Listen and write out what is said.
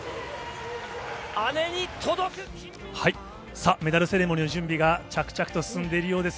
さあ、メダルセレモニーの準備が着々と進んでいるようです。